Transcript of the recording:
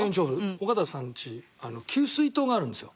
緒方さんち給水塔があるんですよ。